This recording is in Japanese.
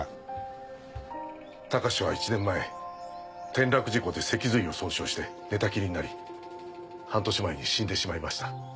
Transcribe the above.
隆は１年前転落事故で脊髄を損傷して寝たきりになり半年前に死んでしまいました。